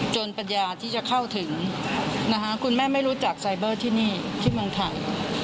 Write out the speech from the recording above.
ปัญญาที่จะเข้าถึงนะคะคุณแม่ไม่รู้จักไซเบอร์ที่นี่ที่เมืองไทย